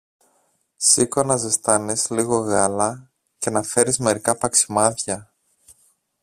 Σήκω να ζεστάνεις λίγο γάλα και να φέρεις μερικά παξιμάδια.